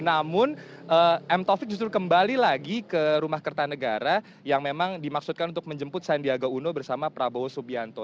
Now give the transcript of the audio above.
namun m taufik justru kembali lagi ke rumah kertanegara yang memang dimaksudkan untuk menjemput sandiaga uno bersama prabowo subianto